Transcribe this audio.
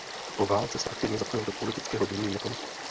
Po válce se aktivně zapojil do politického dění v Japonsku.